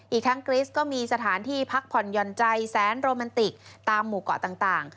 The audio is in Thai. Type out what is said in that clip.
อีกทั้งกริสก็มีสถานที่พักผ่อนหย่อนใจแสนโรแมนติกตามหมู่เกาะต่าง